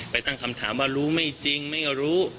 ตั้งคำถามว่ารู้ไม่จริงไม่รู้